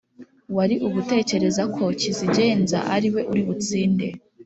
Wari ugitekereza ko kizigenza ariwe uri butsinde